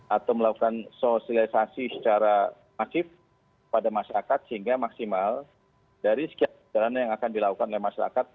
atau melakukan sosialisasi secara masif pada masyarakat sehingga maksimal dari sekian perjalanan yang akan dilakukan oleh masyarakat